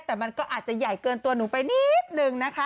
แต่มันก็อาจจะใหญ่เกินตัวหนูไปนิดนึงนะคะ